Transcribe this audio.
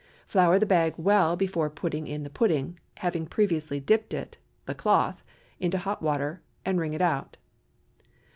Flour the bag well before putting in the pudding, having previously dipped it—the cloth—into hot water, and wring it out.